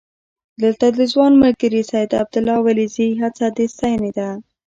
دلته د ځوان ملګري سید عبدالله ولیزي هڅه د ستاینې ده.